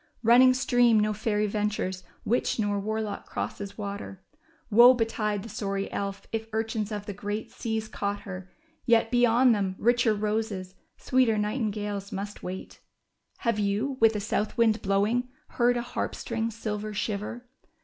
Bunning stream no fairy ventures, witch nor warlock crosses water. Woe betide the sorry elf if urchins of the great seas caught her ! Yet, beyond them, richer roses, sweeter nightingales must wait.'' Have you, with a south wind blowing, heard a harp. string's silver shiver